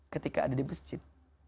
ketika ada di mesjid